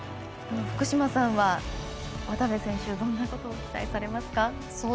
福島さんは、渡部選手どんなことに期待されますか。